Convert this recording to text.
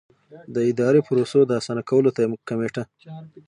د اداري پروسو د اسانه کولو کمېټه.